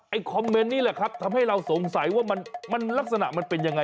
คอมเมนต์นี่แหละครับทำให้เราสงสัยว่ามันลักษณะมันเป็นยังไง